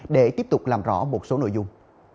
để tiếp tục làm rõ một số nội dung